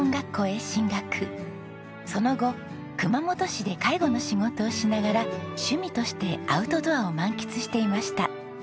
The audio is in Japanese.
その後熊本市で介護の仕事をしながら趣味としてアウトドアを満喫していました。